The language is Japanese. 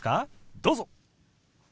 どうぞ。